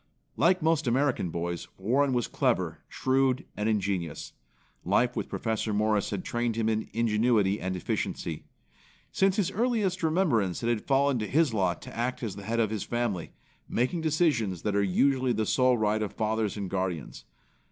Like most American boys, Warren was clever, shrewd and ingenious. Life with Professor Morris had trained him in ingenuity and efficiency. Since his earliest remembrance it had fallen to his lot to act as the head of his family, making decisions that usually are the sole right of fathers and guardians.